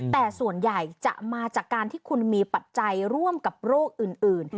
แต่ส่วนใหญ่จะมาจากการที่คุณมีปัจจัยร่วมกับโรคอื่น